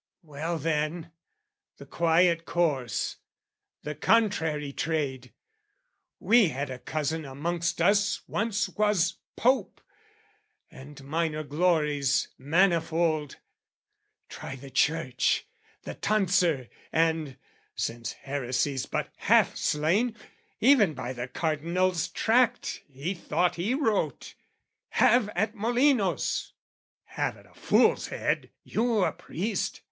" Well then, the quiet course, the contrary trade! "We had a cousin amongst us once was Pope, "And minor glories manifold. Try the Church, "The tonsure, and, since heresy's but half slain "Even by the Cardinal's tract he thought he wrote, "Have at Molinos!" "Have at a fool's head! "You a priest?